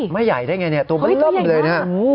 ไม่ใหญ่ได้ไงเนี่ยตัวมันเริ่มเลยนะฮะ